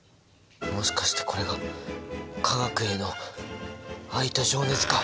もしかしてこれが化学への愛と情熱か！？